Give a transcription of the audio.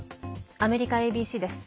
アメリカＡＢＣです。